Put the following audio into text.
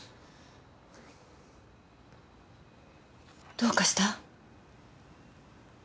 どうかした？